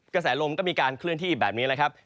กระแสลมก็มีการเคลื่อนที่แบบนี้แหละครับ